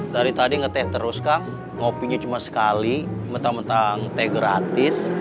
dari tadi ngeteh terus kak ngopinya cuma sekali mentah mentah ngeteh gratis